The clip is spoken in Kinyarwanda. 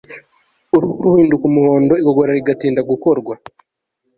Uruhu ruhinduka umuhondo igogora rigatinda gukorwa